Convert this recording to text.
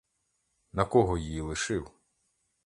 На кого її лишив?